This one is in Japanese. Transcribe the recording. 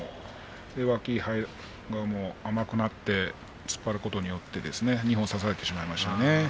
脇が甘くなって突っ張ることによって二本差されてしまいましたね。